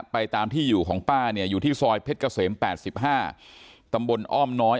ไปตามที่อยู่ของป้าเนี่ยอยู่ที่ซอยเพชรเกษม๘๕ตำบลอ้อมน้อย